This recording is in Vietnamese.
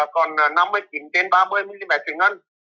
còn năm mươi chín ba mươi mm truyền ngân